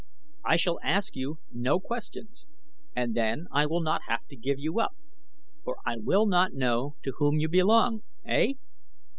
I shall ask you no questions and then I will not have to give you up, for I will not know to whom you belong, eh?